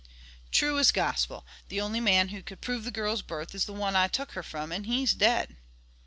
"True as gospel. The only man who could prove the girl's birth is the one I took her from, and he's dead."